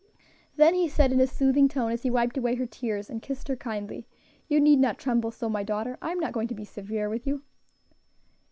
Then he said, in a soothing tone, as he wiped away her tears and kissed her kindly, "You need not tremble so, my daughter; I am not going to be severe with you."